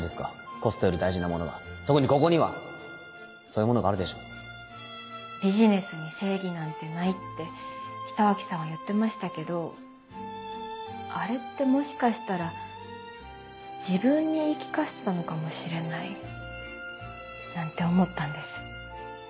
コストより特にここにはそういうものがあるでし「ビジネスに正義なんてない」って北脇さんは言ってましたけどあれってもしかしたら自分に言い聞かせてたのかもしれないなんて思ったんです。